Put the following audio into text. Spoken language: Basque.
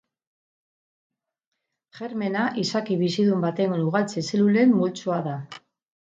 Germena izaki bizidun baten ugaltze zelulen multzoa da